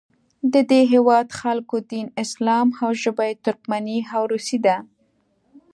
د دې هیواد خلکو دین اسلام او ژبه یې ترکمني او روسي ده.